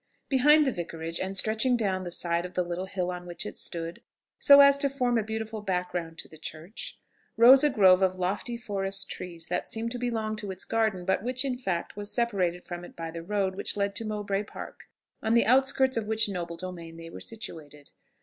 Behind the Vicarage, and stretching down the side of the little hill on which it stood, so as to form a beautiful background to the church, rose a grove of lofty forest trees, that seemed to belong to its garden, but which in fact was separated from it by the road which led to Mowbray Park, on the outskirts of which noble domain they were situated.